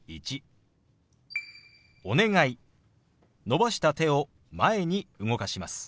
伸ばした手を前に動かします。